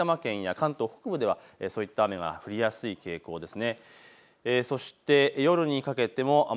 特に埼玉県や関東北部ではそういった雨が降りやすい傾向です。